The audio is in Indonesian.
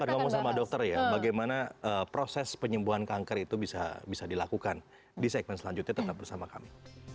akan ngomong sama dokter ya bagaimana proses penyembuhan kanker itu bisa dilakukan di segmen selanjutnya tetap bersama kami